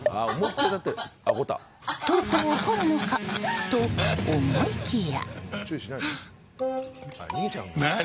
とうとう怒るのかと思いきや。